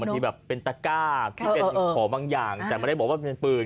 มันมีแบบเป็นตะก้าขอบางอย่างแต่ไม่ได้บอกว่าเป็นปืน